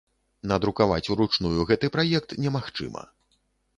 Надрукаваць уручную гэты праект немагчыма.